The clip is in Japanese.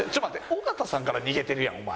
尾形さんから逃げてるやんお前。